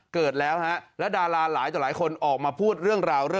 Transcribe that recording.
เกิดแล้วฮะแล้วดาราหลายต่อหลายคนออกมาพูดเรื่องราว